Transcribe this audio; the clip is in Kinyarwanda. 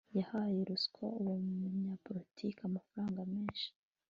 Yahaye ruswa uwo munyapolitike amafaranga menshi